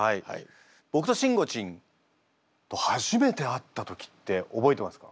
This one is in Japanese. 僕としんごちんと初めて会った時って覚えてますか？